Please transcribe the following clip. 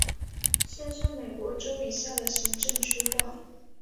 县是美国州以下的行政区划。